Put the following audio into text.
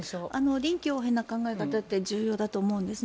臨機応変な考え方って重要だと思うんです。